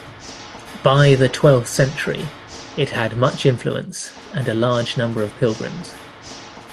By the twelfth century, it had much influence and a large number of pilgrims.